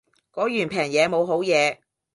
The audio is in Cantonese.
果然平嘢冇好嘢